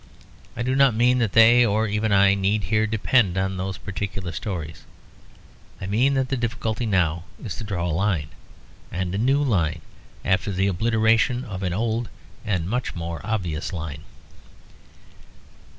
I do not mean that they, or even I, need here depend on those particular stories; I mean that the difficulty now is to draw a line, and a new line, after the obliteration of an old and much more obvious line.